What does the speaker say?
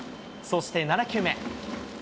そして７球目。